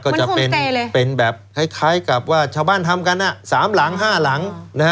ก็จะเป็นแบบคล้ายกับว่าชาวบ้านทำกัน๓หลัง๕หลัง